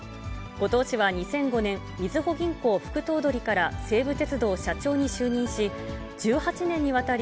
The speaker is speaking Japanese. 後藤氏は２００５年、みずほ銀行副頭取から西武鉄道社長に就任し、１８年にわたり、